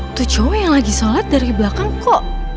itu cowok yang lagi sholat dari belakang kok